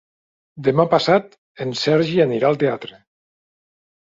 Demà passat en Sergi anirà al teatre.